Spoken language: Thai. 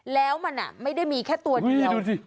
แล้วมันไม่ได้มีแค่ตัวเดียว